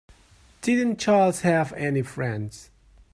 Didn't Charles have any friends?